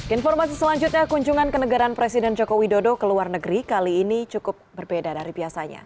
informasi selanjutnya kunjungan kenegaraan presiden jokowi dodo ke luar negeri kali ini cukup berbeda dari biasanya